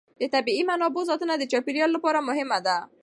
د طبیعي منابعو ساتنه د چاپېر یال لپاره مهمه ده.